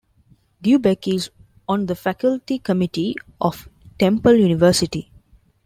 Dubeck is on the Faculty Committee of Temple University.